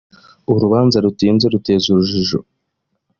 urubanza rutinze ruteza urujijo.